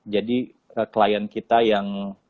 jadi klien kita yang